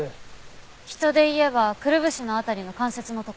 人で言えばくるぶしの辺りの関節のところ。